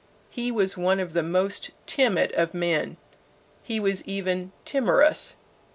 He was one of the most timid of men. He was even timorous.